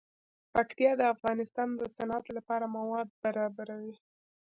پکتیا د افغانستان د صنعت لپاره مواد برابروي.